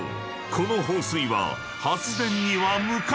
この放水は］